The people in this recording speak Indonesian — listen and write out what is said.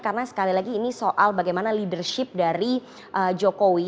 karena sekali lagi ini soal bagaimana leadership dari jokowi